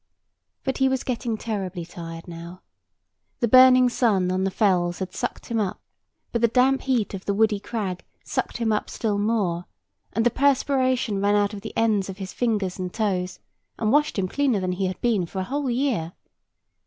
But he was getting terribly tired now. The burning sun on the fells had sucked him up; but the damp heat of the woody crag sucked him up still more; and the perspiration ran out of the ends of his fingers and toes, and washed him cleaner than he had been for a whole year.